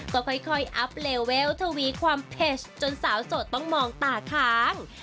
ก็ค่อยอัพเลเวลทวีความเผ็ดจนสาวโสดต้องมองตาค้าง